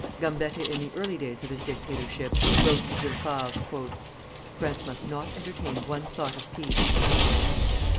Gambetta in the early days of his dictatorship wrote to Jules Favre: "France must not entertain one thought of peace."